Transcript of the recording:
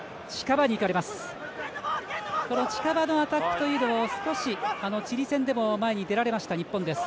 近場のアタックというのも少しチリ戦でも前に出られました日本です。